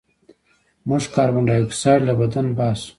موږ کاربن ډای اکسایډ له بدن وباسو